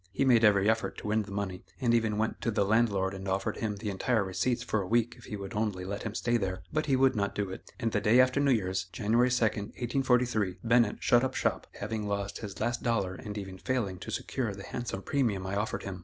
He made every effort to win the money, and even went to the landlord and offered him the entire receipts for a week if he would only let him stay there; but he would not do it, and the day after New Year's, January 2, 1843, Bennett shut up shop, having lost his last dollar and even failing to secure the handsome premium I offered him.